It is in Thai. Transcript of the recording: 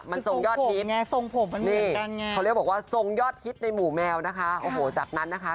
มันทรงยอดฮิตไงเขาเรียกบอกว่าทรงยอดฮิตในหมู่แมวนะคะโอ้โหจากนั้นนะคะ